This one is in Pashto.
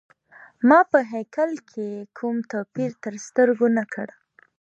ما په هیکل کي یې کوم توپیر تر سترګو نه کړ.